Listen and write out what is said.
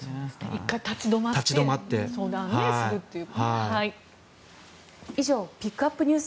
１回立ち止まって相談するという。